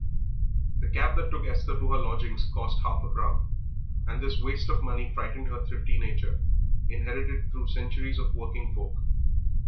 The cab that took Esther to her lodging cost half a crown, and this waste of money frightened her thrifty nature, inherited through centuries of working folk.